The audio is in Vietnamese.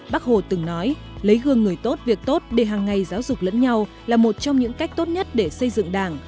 bác hồ từng nói lấy gương người tốt việc tốt để hàng ngày giáo dục lẫn nhau là một trong những cách tốt nhất để xây dựng đảng